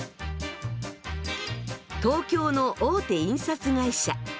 東京の大手印刷会社。